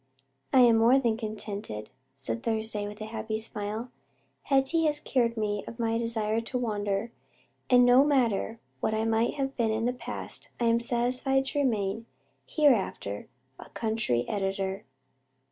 "I am more than contented," said Thursday, with a happy smile. "Hetty has cured me of my desire to wander, and no matter what I might have been in the past I am satisfied to remain hereafter a country editor."